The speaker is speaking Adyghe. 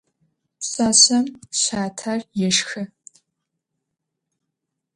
Pşsaşsem şater yêşşxı.